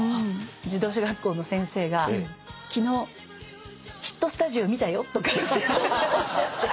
自動車学校の先生が「昨日『ヒットスタジオ』見たよ」とかおっしゃって。